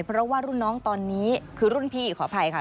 เพราะว่ารุ่นน้องตอนนี้คือรุ่นพี่ขออภัยค่ะ